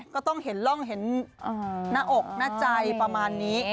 ก็ต้องเห็นร่องเห็นหน้าอกหน้าใจประมาณนี้